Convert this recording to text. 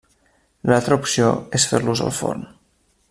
L'altra opció és fer-los al forn.